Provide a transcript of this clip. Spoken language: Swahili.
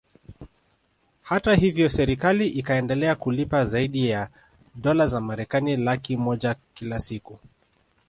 Hata hivyo serikali ikaendelea kulipa zaidi ya dolar za Marekani laki moja kila siku